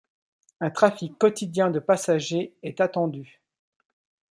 Un trafic quotidien de passagers est attendu.